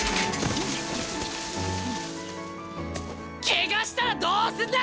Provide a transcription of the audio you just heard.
ケガしたらどうすんだ！